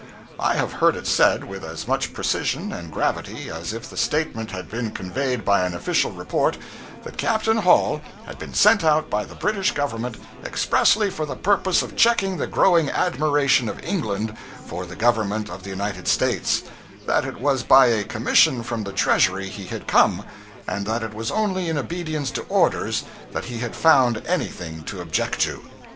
I have heard it said with as much precision and gravity as if the statement had been conveyed by an official report, that Captain Hall had been sent out by the British Government expressly for the purpose of checking the growing admiration of England for the Government of the United States, that it was by a commission from the treasury he had come, and that it was only in obedience to orders that he had found anything to object to.